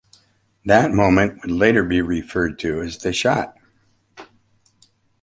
That moment would later be referred to as "The Shot".